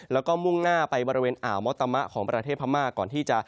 แล้วก็มุ่งหน้าไปบริเวณอ่าวมอตามะของประเทศพม่าก่อนที่จะ